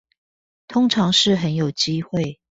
通常是很有機會